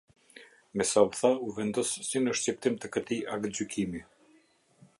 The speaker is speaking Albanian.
Me sa u tha u vendos si në shqiptim të këtij aktgjykimi.